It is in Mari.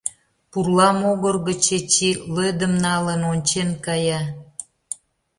Пурла могыр гыч Эчи, лӧдым налын, ончен кая.